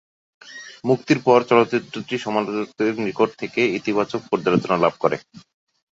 মুক্তির পর চলচ্চিত্রটি সমালোচকদের নিকট থেকে ইতিবাচক পর্যালোচনা লাভ করে।